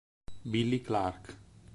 Billy Clarke